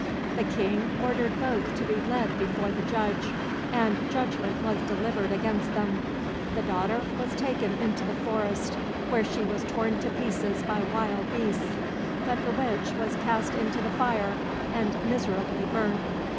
The King ordered both to be led before the judge, and judgment was delivered against them. The daughter was taken into the forest where she was torn to pieces by wild beasts, but the witch was cast into the fire and miserably burnt.